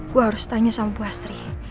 gue harus tanya sama bu asri